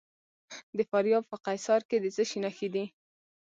د فاریاب په قیصار کې د څه شي نښې دي؟